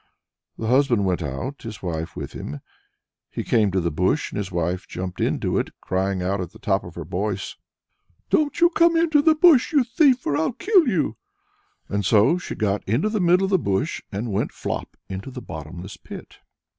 The husband went out, his wife with him. He came to the currant bush, and his wife jumped into it, crying out at the top her voice: "Don't you come into the bush, you thief, or I'll kill you!" And so she got into the middle of the bush, and went flop into the bottomless pit.